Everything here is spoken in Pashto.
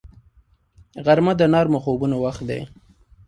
غرمه د نرمو خوبونو وخت دی